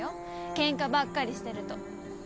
ケンカばっかりしてると